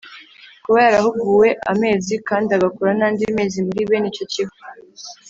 kuba yarahuguwe amezi kandi agakora nandi mezi muri bene icyo kigo